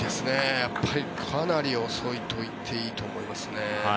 やっぱりかなり遅いと言っていいと思います。